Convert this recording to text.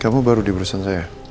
kamu baru di brussel saya